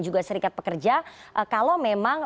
juga serikat pekerja kalau memang